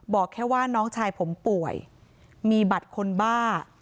บอกแค่ว่าน้องชายผมป่วยมีบัตรคนบ้า